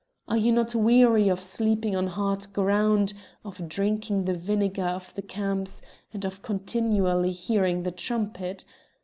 Are you not weary of sleeping on hard ground, of drinking the vinegar of the camps, and of continually hearing the trumpet?